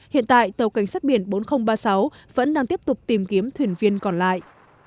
hiện tại tàu cảnh sát biển bốn nghìn ba mươi sáu vẫn đang tiếp tục tìm kiếm thuyền viên còn lại